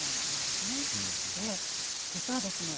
で実はですね